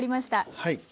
はい。